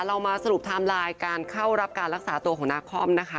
เรามาสรุปไทม์ไลน์การเข้ารับการรักษาตัวของนาคอมนะคะ